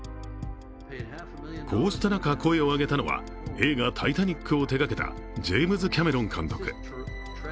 こうした中、声を上げたのは映画「タイタニック」を手がけたジェームズ・キャメロン監督。